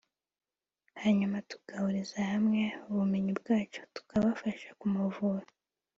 hanyuma tugahuriza hamwe ubumenyi bwacu tukabasha kumuvura